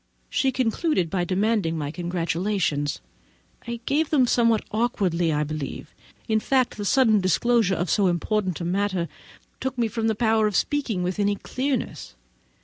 She concluded by demanding my congratulations. I gave them somewhat awkwardly, I believe; for, in fact, the sudden disclosure of so important a matter took from me the power of speaking with any clearness.